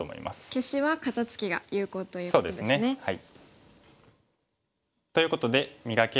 消しは肩ツキが有効ということですね。ということで「磨け！